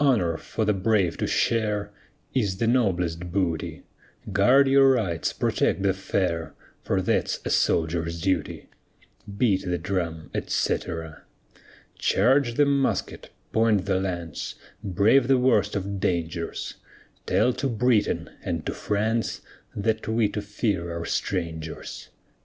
Honor for the brave to share Is the noblest booty; Guard your rights, protect the fair, For that's a soldier's duty. Beat the drum, etc. Charge the musket, point the lance, Brave the worst of dangers; Tell to Britain and to France, That we to fear are strangers.